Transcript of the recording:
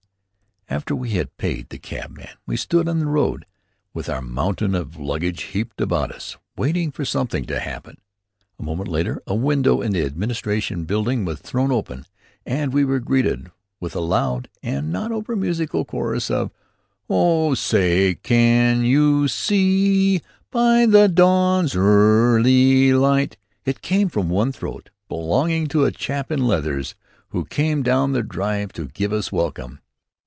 After we had paid the cabman, we stood in the road, with our mountain of luggage heaped about us, waiting for something to happen. A moment later a window in the administration building was thrown open and we were greeted with a loud and not over musical chorus of "Oh, say, can you see by the dawn's early light " It all came from one throat, belonging to a chap in leathers, who came down the drive to give us welcome.